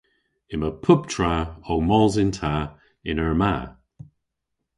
Yma pubtra ow mos yn ta yn eur ma.